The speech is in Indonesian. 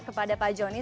kepada pak johnny